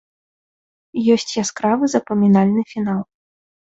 Ёсць яскравы запамінальны фінал.